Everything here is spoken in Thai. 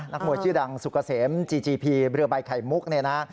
นักหมวยชื่อดังสุขเสมจีจีพีอย่างใบไข่มุกนะ